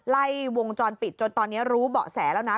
ไล่วงจรปิดจนตอนนี้รู้เบาะแสแล้วนะ